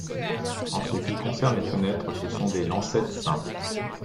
En ce qui concerne les fenêtres, ce sont des lancettes simples.